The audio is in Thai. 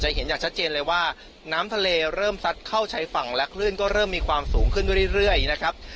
เห็นอย่างชัดเจนเลยว่าน้ำทะเลเริ่มซัดเข้าชายฝั่งและคลื่นก็เริ่มมีความสูงขึ้นเรื่อยนะครับ